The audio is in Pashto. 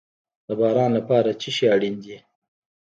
د باران لپاره څه شی اړین دي؟